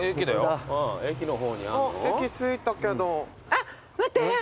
あっ待って。